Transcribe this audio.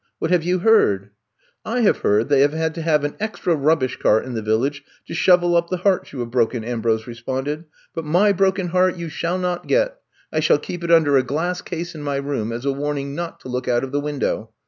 *^ What have you heard ?''I have heard they have had to have an extra rubbish cart in the Village to shovel up the hearts you have broken/' Ambrose responded, *^but my broken heart you shall not get. I shall keep it under a glass case in my room as a warning not to look out of the window.